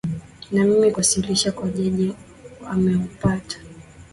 na mimi kuwasilisha kwa jaji ameupata